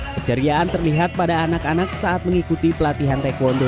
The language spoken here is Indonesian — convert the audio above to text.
keceriaan terlihat pada anak anak saat mengikuti pelatihan taekwondo